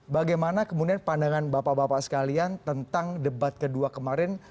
bagaimana kemudian pandangan bapak bapak sekalian tentang debat kedua kemarin